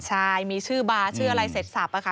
ใช่มีชื่อบาร์ชื่ออะไรเสร็จสับอะค่ะ